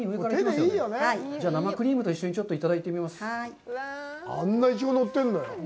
じゃあ生クリームと一緒にちょっといただいてみます。